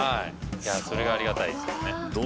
それがありがたいですよね